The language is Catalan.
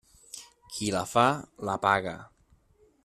Qui la fa, la paga.